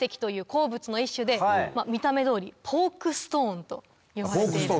鉱物の一種で見た目通りポークストーンと呼ばれている。